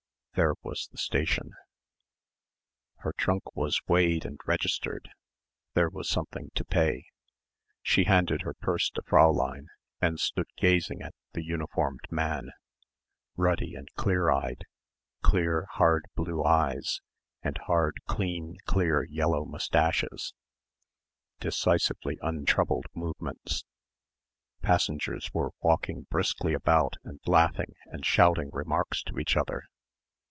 There was the station. Her trunk was weighed and registered. There was something to pay. She handed her purse to Fräulein and stood gazing at the uniformed man ruddy and clear eyed clear hard blue eyes and hard clean clear yellow moustaches decisive untroubled movements. Passengers were walking briskly about and laughing and shouting remarks to each other.